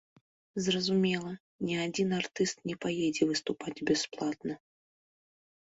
Зразумела, ні адзін артыст не паедзе выступаць бясплатна.